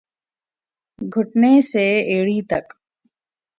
گھٹنے سے ایڑی تک